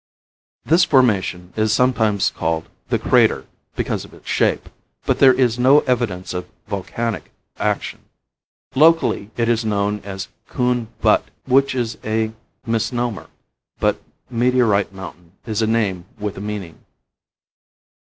This formation is sometimes called the Crater, because of its shape, but there is no evidence of volcanic action. Locally it is known as Coon Butte, which is a misnomer; but Meteorite Mountain is a name with a meaning.